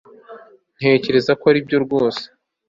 ntekereza ko aribyo rwose